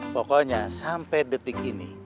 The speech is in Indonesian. pokoknya sampai detik ini